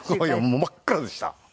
もう真っ暗でした。